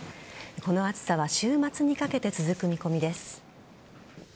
この暑さは週末にかけて続く見込みです。